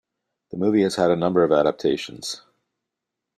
The movie has had a number of adaptations.